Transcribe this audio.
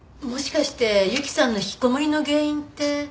もしかして雪さんの引きこもりの原因って。